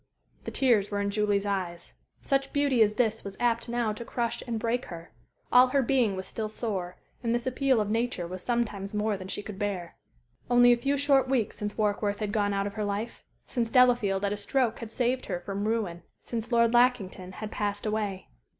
The tears were in Julie's eyes. Such beauty as this was apt now to crush and break her. All her being was still sore, and this appeal of nature was sometimes more than she could bear. Only a few short weeks since Warkworth had gone out of her life since Delafield at a stroke had saved her from ruin since Lord Lackington had passed away.